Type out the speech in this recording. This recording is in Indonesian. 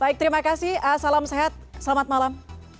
baik terima kasih salam sehat selamat malam